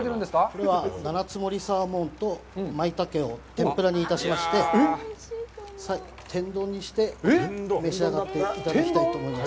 これは七ツ森サーモンとマイタケを天ぷらにいたしまして、天丼にして召し上がっていただきたいと思います。